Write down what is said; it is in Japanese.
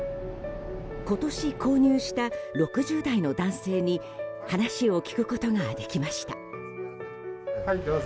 今年購入した６０代の男性に話を聞くことができました。